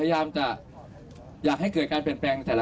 อยากให้กรุ่งปร๋อนการ